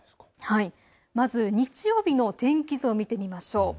まず日曜日の天気図を見てみましょう。